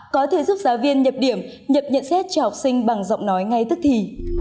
có thể giúp giáo viên nhập điểm nhập nhận xét cho học sinh bằng giọng nói ngay tức thì